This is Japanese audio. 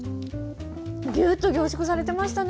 ぎゅっと凝縮されてましたね。